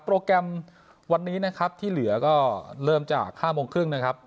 โปรแกรมวันนี้นะครับที่เหลือก็เริ่มจาก๕โมงครึ่งนะครับ